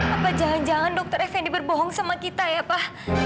apa jangan jangan dokter effendi berbohong sama kita ya pak